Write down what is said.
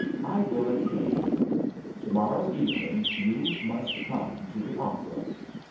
I will improve you. To morrow evening you must come to the opera."